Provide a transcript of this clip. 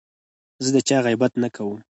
زه د چا غیبت نه کوم.